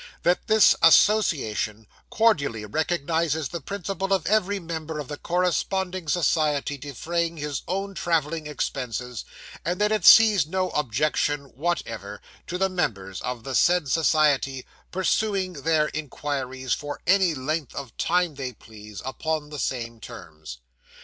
'That this Association cordially recognises the principle of every member of the Corresponding Society defraying his own travelling expenses; and that it sees no objection whatever to the members of the said society pursuing their inquiries for any length of time they please, upon the same terms.